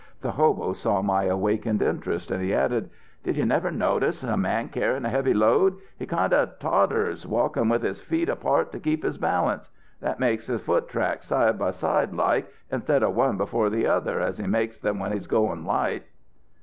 The hobo saw my awakened interest, and he added: "'Did you never notice a man carryin a heavy load? He kind of totters, walkin' with his feet apart to keep his balance. That makes his foot tracks side by side like, instead of one before the other as he makes them when he's goin' light.'"